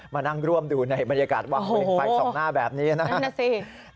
มานั่งร่วมดูในบรรยากาศวางเวงไฟส่องหน้าแบบนี้นะครับ